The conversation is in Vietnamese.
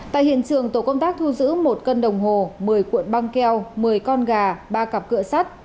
tại hiện trường tổ công tác thu giữ một cân đồng hồ một mươi cuộn băng keo một mươi con gà ba cặp cửa sắt